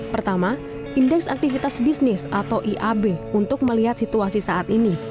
pertama indeks aktivitas bisnis atau iab untuk melihat situasi saat ini